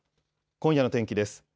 今夜の天気です。